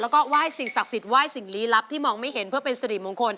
แล้วก็ไหว้สิ่งศักดิ์สิทธิไหว้สิ่งลี้ลับที่มองไม่เห็นเพื่อเป็นสิริมงคล